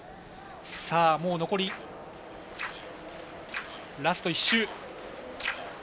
もう残りラスト１周。